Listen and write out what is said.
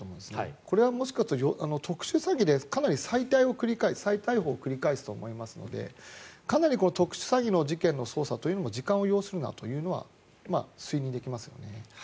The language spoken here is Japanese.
これはもしかすると特殊詐欺でかなり再逮捕を繰り返すと思いますのでかなり特殊詐欺の事件の捜査というのも時間を要するなというのは推認できますよね。